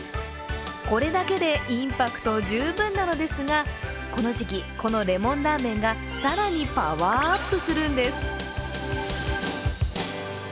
これだけでインパクト十分なのですが、このレモンラーメンが更にパワーアップするんです。